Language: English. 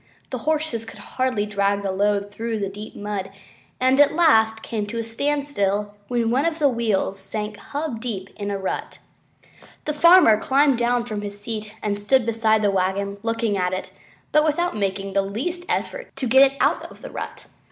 The horses could hardly drag the load through the deep mud, and at last came to a standstill when one of the wheels sank to the hub in a rut. The farmer climbed down from his seat and stood beside the wagon looking at it but without making the least effort to get it out of the rut.